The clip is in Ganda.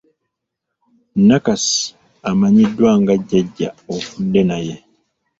Nakasi amanyiddwa nga Jjajja Ofudenaye.